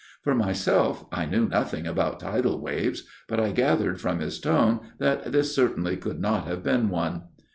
For myself, I knew nothing about tidal waves ; but I gathered from his tone that this certainly could not have been one.